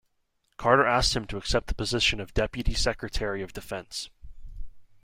Carter asked him to accept the position of Deputy Secretary of Defense.